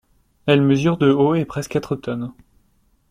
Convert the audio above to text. Elle mesure de haut et pèse quatre tonnes.